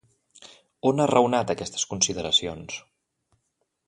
On ha raonat aquestes consideracions?